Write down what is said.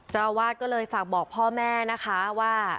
เจ้าอาวาสก็เลยฝากบอกพ่อแม่นะคะว่า